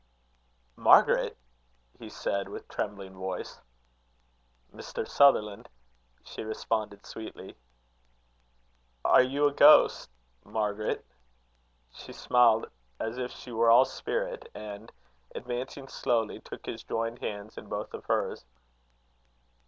"Margaret!" he said, with trembling voice. "Mr. Sutherland!" she responded, sweetly. "Are you a ghost, Margaret?" She smiled as if she were all spirit, and, advancing slowly, took his joined hands in both of hers.